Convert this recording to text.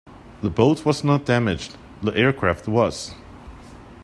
The boat was not damaged, the aircraft was.